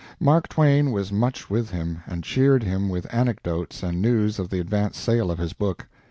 Mark Twain was much with him, and cheered him with anecdotes and news of the advance sale of his book.